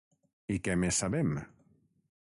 I què més sabem?